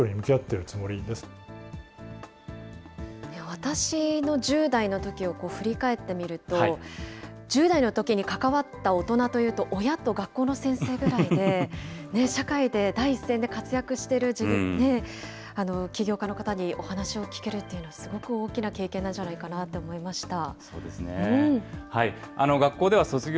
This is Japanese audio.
私の１０代のときを振り返ってみると、１０代のときに関わった大人というと、親と学校の先生ぐらいで、社会で第一線で活躍してる起業家の方にお話を聞けるというのはすごく大きな経験なんじゃないかなと思いました。